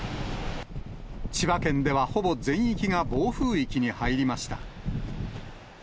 千葉県ではほぼ全域が暴風域に入りました。